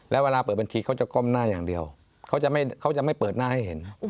แล้วเวลาเปิดบัญชีเขาจะก้มหน้าอย่างเดียวเขาจะไม่เปิดหน้าให้เห็น